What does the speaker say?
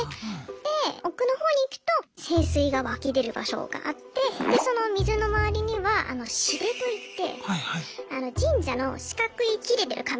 で奥の方に行くと聖水が湧き出る場所があってでその水の周りには紙垂といって神社の四角い切れてる紙。